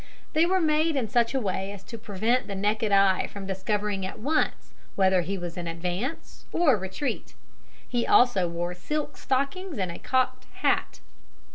They were made in such a way as to prevent the naked eye from discovering at once whether he was in advance or retreat. He also wore silk stockings and a cocked hat.